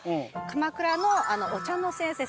鎌倉のお茶の先生